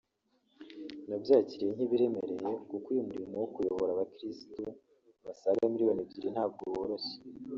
Nabyakiriye nk’ibiremereye kuko uyu murimo wo kuyobora abakirisitu basaga miliyoni ebyiri ntabwo woroshye